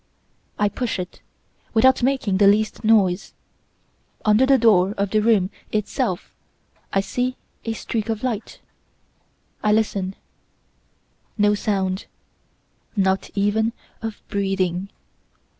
I push it, without making the least noise. Under the door of the room itself I see a streak of light. I listen no sound not even of breathing!